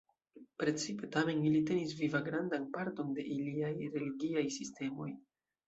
Precipe tamen ili tenis viva grandan parton de iliaj religiaj sistemoj.